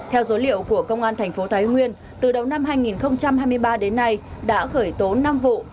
theo dối liệu của công an thành phố thái nguyên từ đầu năm hai nghìn hai mươi ba đến nay đã khởi tố năm vụ